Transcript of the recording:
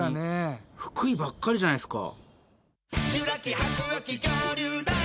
「フクイ」ばっかりじゃないですか。